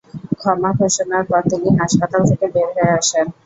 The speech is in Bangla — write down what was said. ক্ষমা ঘোষণার পর তিনি হাসপাতাল থেকে বের হয়ে আসেন।